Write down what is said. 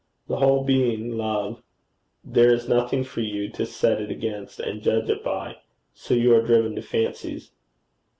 The whole being love, there is nothing for you to set it against and judge it by. So you are driven to fancies.'